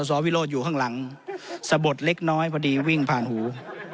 สวิโรธอยู่ข้างหลังสะบดเล็กน้อยพอดีวิ่งผ่านหู